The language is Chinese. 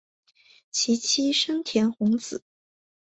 其妻笙田弘子。